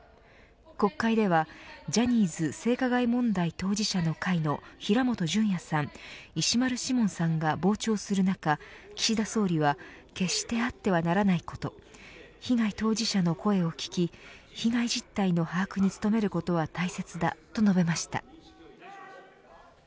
国会ではジャニーズ性加害問題当事者の会の平本淳也さん石丸士門さんが膨張する中岸田総理は決してあってはならないこと被害当事者の声を聞き被害実態の把握に努めることは大切だと述べました。